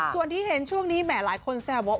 ส่วนที่เห็นช่วงนี้แหมหลายคนแซวว่า